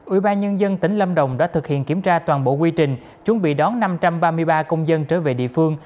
ubnd tỉnh lâm đồng đã thực hiện kiểm tra toàn bộ quy trình chuẩn bị đón năm trăm ba mươi ba công dân trở về địa phương